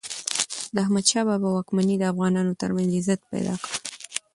د احمد شاه بابا واکمني د افغانانو ترمنځ عزت پیدا کړ.